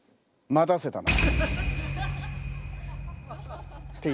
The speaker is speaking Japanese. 「待たせたな」。